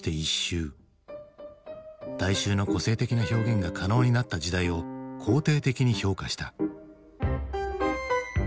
大衆の個性的な表現が可能になった時代を肯定的に評価した。